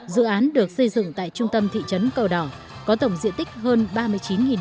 dự án được xây dựng tại trung tâm thị trấn cờ đỏ có tổng diện tích hơn ba mươi chín bảy trăm linh m hai